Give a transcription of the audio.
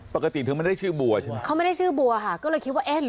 ปกติเธอไม่ได้ชื่อบัวใช่ไหม